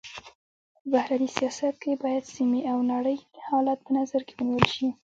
په بهرني سیاست کي باید سيمي او نړۍ حالت په نظر کي ونیول سي.